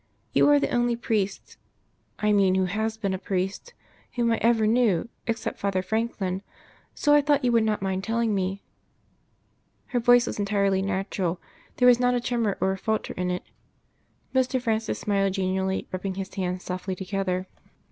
You are the only priest I mean who has been a priest whom I ever knew, except Father Franklin. So I thought you would not mind telling me." Her voice was entirely natural; there was not a tremor or a falter in it. Mr. Francis smiled genially, rubbing his hands softly together.